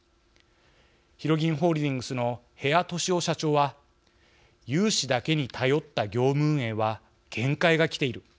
ひろぎんホールディングスの部谷俊雄社長は「融資だけに頼った業務運営は限界がきている。